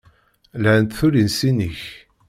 Lhant tullisin-ik.